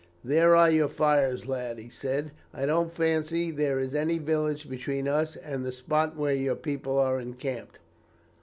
"'There are your fires, lad,' he said. 'I don't fancy there is any village between us and the spot where your people are encamped.